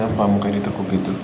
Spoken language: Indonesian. kenapa mukanya ditukuk gitu